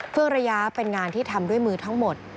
ระยะเป็นงานที่ทำด้วยมือทั้งหมด